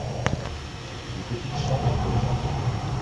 les petites chambres pour les enfants